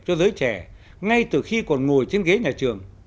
cho giới trẻ ngay từ khi còn ngồi trên ghế nhà trường